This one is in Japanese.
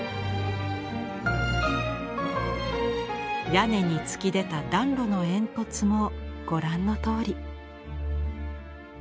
屋根に突き出た暖炉の煙突もご覧のとおり。